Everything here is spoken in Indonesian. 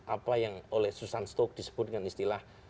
apa yang oleh susan stokes disebutkan istilah